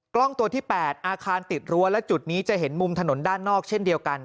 กล้องตัวที่๘อาคารติดรั้วและจุดนี้จะเห็นมุมถนนด้านนอกเช่นเดียวกัน